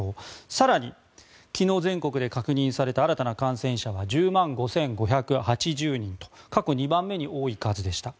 更に、昨日、全国で確認された新たな感染者は１０万５５８０人と過去２番目に多い数でした。